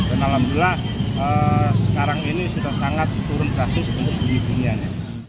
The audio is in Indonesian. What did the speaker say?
dan alhamdulillah sekarang ini sudah sangat turun kasus untuk bunyi bunyian